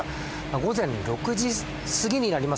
午前６時すぎになります。